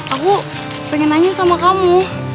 aku pengen nanya sama kamu